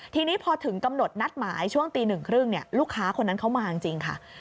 ทีนี้พอถึงกำหนดนัดหมายช่วงตีหนึ่งครึ่งลูกค้าคนนั้นเขามาจริงค่ะ